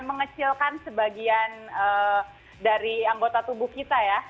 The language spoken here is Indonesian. mengecilkan sebagian dari anggota tubuh kita ya